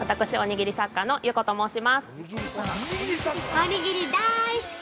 おにぎりだい好き！